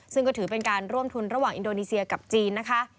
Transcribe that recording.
ซึ่งก็ถือเป็นการร่วมทุนระหว่างอินโดนีเซียกับจีนนะคะ